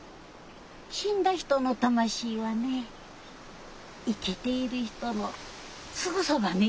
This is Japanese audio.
死んだ人の魂はね生きている人のすぐそばにいるさぁ。